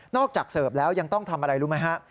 จากเสิร์ฟแล้วยังต้องทำอะไรรู้ไหมฮะ